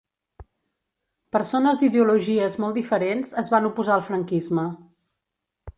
Persones d'ideologies molt diferents es van oposar al franquisme.